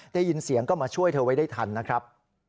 ได้ยินเสียงก็มาช่วยเธอไว้ได้ทันนะครับ